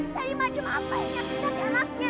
dari macem apa yang nyakitin hati anaknya